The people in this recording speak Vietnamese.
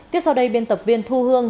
tiếp sau đây biên tập viên thu hương